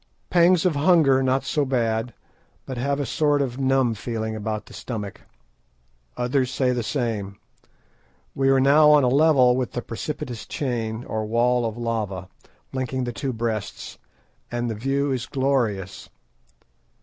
Pangs of hunger not so bad, but have a sort of numb feeling about the stomach. Others say the same. We are now on a level with the precipitous chain, or wall of lava, linking the two Breasts, and the view is glorious.